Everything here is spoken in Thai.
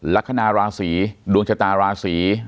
ลักษณะราศีดวงชะตาราศี